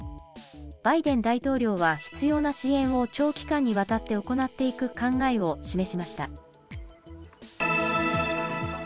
バイデン大統領は必要な支援を長期間にわたって行っていく考えを示しました。